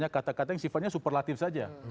kata kata yang sifatnya superlatif saja